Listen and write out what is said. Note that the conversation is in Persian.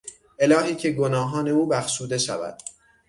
الهی که گناهان او بخشوده شود!